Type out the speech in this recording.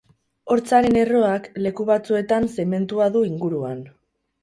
Hortzaren erroak leku batzuetan zementua du inguruan.